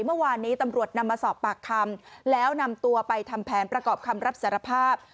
เมื่อวานนี้ตำรวจนำมาสอบปากคำแล้วนำตัวไปทำแผนประกอบคำรับสารภาพ